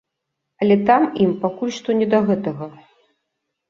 Але там ім пакуль што не да гэтага.